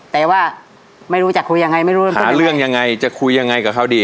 แต่ว่าไม่รู้จะคุยยังไงไม่รู้หาเรื่องยังไงจะคุยยังไงกับเขาดี